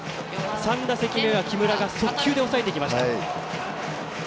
３打席目は木村が速球で抑えてきました。